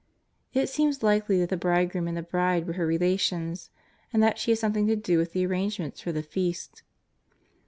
It seems likely that the bridegroom and the bride were her relations and that she had something to do with the arrangements for the feast.